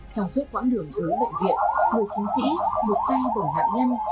trong suốt quãng đường tới bệnh viện người chiến sĩ bước tay bổ nạn nhân